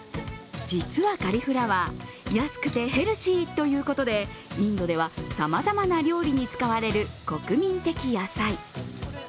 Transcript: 実はカリフラワー安くてヘルシーということでインドではさまざまな料理に使われる国民的野菜。